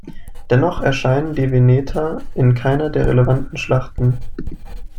Dennoch erscheinen die Veneter in keiner der relevanten Schlachten.